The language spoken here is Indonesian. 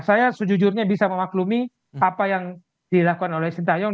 saya sejujurnya bisa memaklumi apa yang dilakukan oleh sintayong